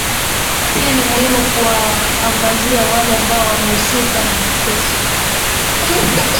Pia ni muhimu kuwaangazia wale ambao wamehusika na mateso.